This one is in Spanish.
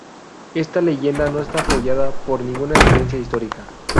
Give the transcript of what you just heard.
Esta leyenda no está apoyada por ninguna evidencia histórica.